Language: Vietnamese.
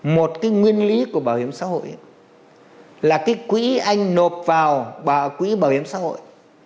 một cái nguyên lý của bảo hiểm xã hội là cái quỹ anh nộp vào quỹ bảo hiểm xã hội